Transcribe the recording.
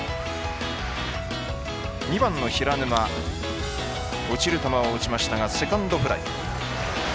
２番の平沼落ちる球を打ちましたがセカンドフライ。